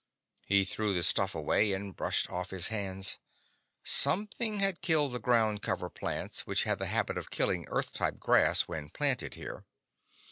He threw the stuff away and brushed off his hands. Something had killed the ground cover plants which had the habit of killing Earth type grass when planted here.